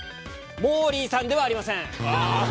モーリーさんではありません。